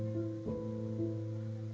lalu kemudian kemudian